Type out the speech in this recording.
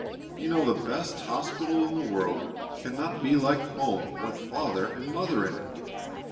You know the best hospital in the world can not be like home with father and mother in it.